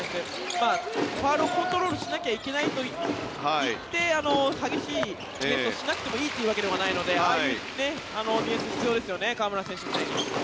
ファウルをコントロールしなきゃいけないといって激しいディフェンスをしなくてもいいというわけではないのでああいうディフェンスも必要ですよね、河村選手もね。